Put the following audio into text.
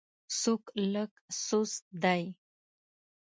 څوک لږ سست دی.